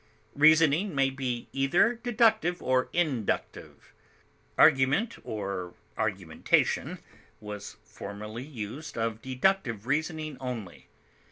Reasoning may be either deductive or inductive. Argument or argumentation was formerly used of deductive reasoning only.